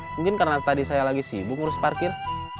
mungkin karena tadi saya lagi sibuk ngurus parkir